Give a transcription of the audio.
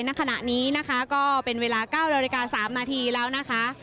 ณขณะนี้นะคะก็เป็นเวลา๙นาฬิกา๓นาทีแล้วนะคะ